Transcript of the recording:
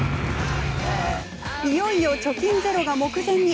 いよいよ貯金ゼロが目前に。